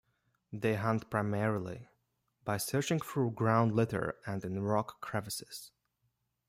They hunt primarily by searching through ground litter and in rock crevices.